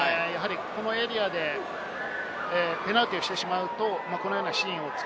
このエリアでペナルティーをしてしまうと、このようなシーンを作